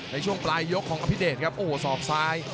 ในช่วงปลายยกของอภิเดชครับโอ้โหศอกซ้าย